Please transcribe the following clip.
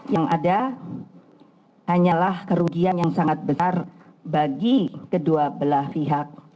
yang ada hanyalah kerugian yang sangat besar bagi kedua belah pihak